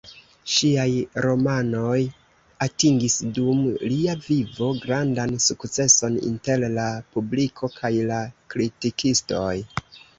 Siaj romanoj atingis, dum lia vivo, grandan sukceson inter la publiko kaj la kritikistoj.